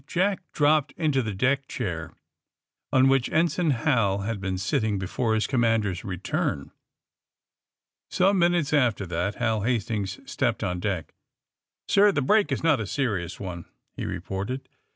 Jack dropped into the deck chair on which Ensign Hal had been sitting before his commander's re turn„ Some minutes after that Hal Hastings stepped on deck. ^^Sir, the break is not a serious one," he re ported.